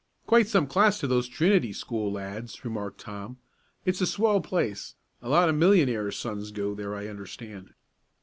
"Quite some class to those Trinity School lads," remarked Tom. "It's a swell place a lot of millionaires' sons go there I understand."